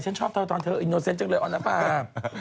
ฉันชอบเธอเธออิโนเสนสต์จังเลยอ้อนนะป้า